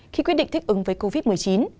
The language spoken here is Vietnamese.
khi quyết định thích ứng với covid một mươi chín